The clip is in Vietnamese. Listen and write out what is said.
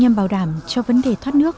nhằm bảo đảm cho vấn đề thoát nước